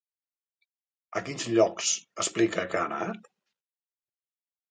A quins llocs explica que ha anat?